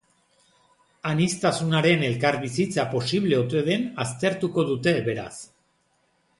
Aniztasunaren elkarbizitza posible ote den aztertuko dute, beraz.